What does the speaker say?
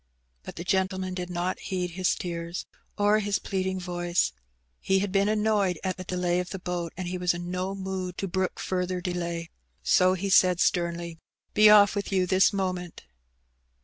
But the gentleman did not heed his tears or his pleading voice. He had been annoyed at the delay of the boat, and he was in no mood to brook further delay. So he said sternly— ''Be off with you this moment